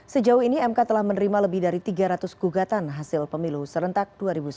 sejauh ini mk telah menerima lebih dari tiga ratus gugatan hasil pemilu serentak dua ribu sembilan belas